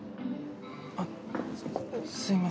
あっすみません。